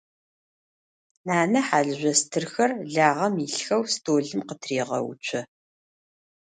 Nane halızjo stırxer lağem yilhxeu stolım khıtırêğeutso.